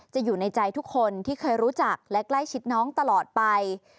อยู่ในใจทุกคนที่เคยรู้จักและใกล้ชิดน้องตลอดไป